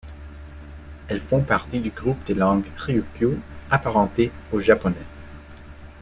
Elles font partie du groupe des langues ryukyu, apparentées au japonais.